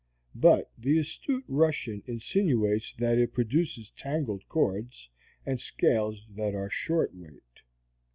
But the astute Russian insinuates that it produces tangled chords and scales that are short weight.